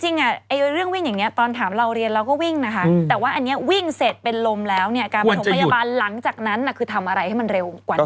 จริงเรื่องวิ่งอย่างนี้ตอนถามเราเรียนเราก็วิ่งนะคะแต่ว่าอันนี้วิ่งเสร็จเป็นลมแล้วเนี่ยการประถมพยาบาลหลังจากนั้นคือทำอะไรให้มันเร็วกว่านี้